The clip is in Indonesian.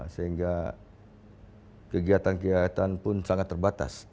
sehingga kegiatan kegiatan pun sangat terbatas